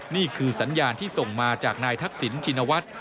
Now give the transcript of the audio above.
นี่คือสัญญาณที่ส่งมาจากนายทักษิณชินวัฒน์